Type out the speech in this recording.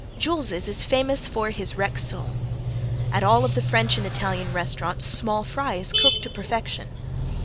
Jule's is famous for his Rex sole. At all of the French and Italian restaurants small fry is cooked to perfection.